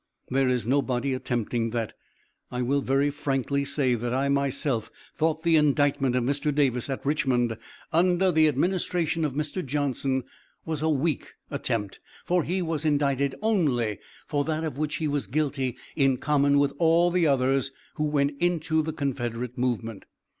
There is nobody attempting that. I will very frankly say that I myself thought the indictment of Mr. Davis at Richmond, under the administration of Mr. Johnson, was a weak attempt, for he was indicted only for that of which he was guilty in common with all others who went into the Confederate movement.